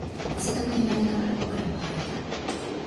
汗だくになりながら、僕らは歩いた